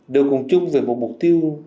đều cùng chung về một mục tiêu